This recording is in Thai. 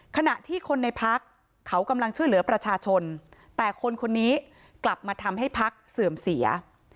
ขณะที่คนในพักเขากำลังช่วยเหลือประชาชนแต่คนคนนี้กลับมาทำให้พักเสื่อมเสีย